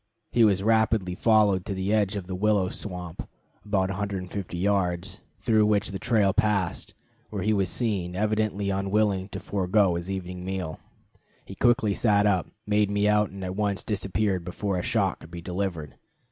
He was rapidly followed to the edge of the willow swamp (about 150 yards), through which the trail passed, where he was seen, evidently unwilling to forego his evening meal. He quickly sat up, made me out, and at once disappeared before a shot could be delivered.